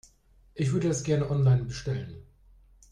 Ich würde das gerne online bestellen.